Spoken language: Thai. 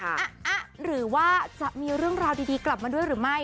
หรือว่าจะมีเรื่องราวดีกลับมาด้วยหรือไม่